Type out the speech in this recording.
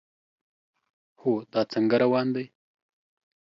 هو، دا څنګه روان دی؟